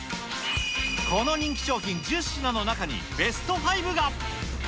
この人気商品１０品の中にベスト５が。